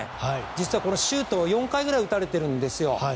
実はシュートを４回ぐらい打たれてるんですよ。